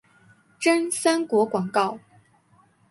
真三国广告。